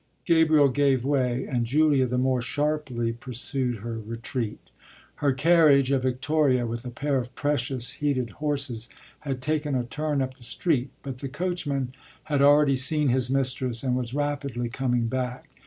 Gabriel gave way and Julia the more sharply pursued her retreat. Her carriage, a victoria with a pair of precious heated horses, had taken a turn up the street, but the coachman had already seen his mistress and was rapidly coming back.